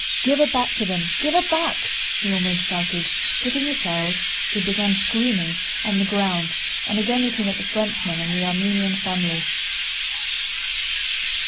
"Give her back to them, give her back!" he almost shouted, putting the child, who began screaming, on the ground, and again looking at the Frenchman and the Armenian family.